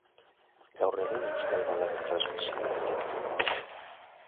Gaur egun euskal baladen transmisioa eten egin da.